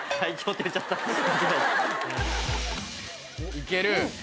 いける。